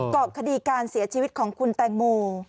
เกาะคดีการเสียชีวิตของคุณแตงโม